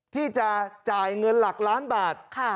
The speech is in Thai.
ที่จะจ่ายเงินหลักล้านบาท